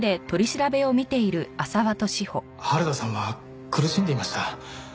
原田さんは苦しんでいました。